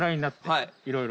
はい。